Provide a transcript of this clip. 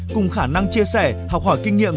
cùng khả năng chia sẻ học hỏi kinh nghiệm